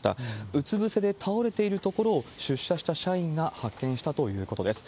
うつ伏せで倒れているところを出社した社員が発見したということです。